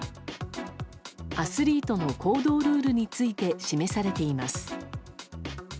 アスリートの行動ルールについて示されています。